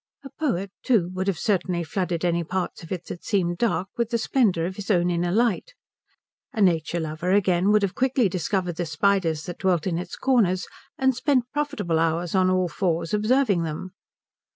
A poet, too, would certainly have flooded any parts of it that seemed dark with the splendour of his own inner light; a nature lover, again, would have quickly discovered the spiders that dwelt in its corners, and spent profitable hours on all fours observing them.